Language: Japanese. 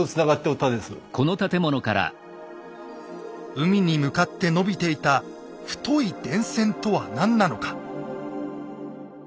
海に向かって伸びていた太い電線とは何なのか。